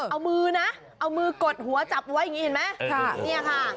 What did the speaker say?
เอามือนะเอามือกดหัวจับไว้อย่างนี้เห็นไหมเนี่ยค่ะ